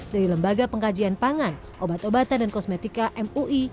dari lembaga pengkajian pangan obat obatan dan kosmetika mui